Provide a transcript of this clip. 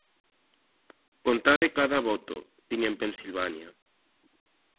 Contade cada voto, din en Pensilvania.